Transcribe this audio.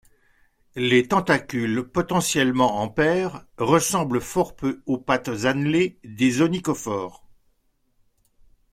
Les tentacules potentiellement en paires ressemblent fort peu aux pattes annelées des onychophores.